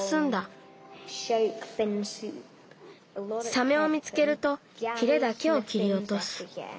サメを見つけるとヒレだけをきりおとす。